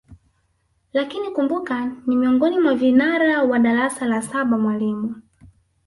Lakini kumbuka ni miongoni mwa vinara kwa darasa la saba mwalimu